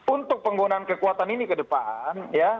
untuk penggunaan kekuatan ini ke depan